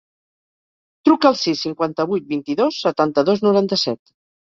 Truca al sis, cinquanta-vuit, vint-i-dos, setanta-dos, noranta-set.